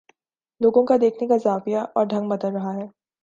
لوگوں کا دیکھنے کا زاویہ اور ڈھنگ بدل رہا ہے۔